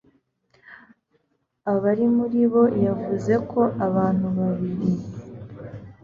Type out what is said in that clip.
aba ari muri bo. Yavuze ko "abantu babiri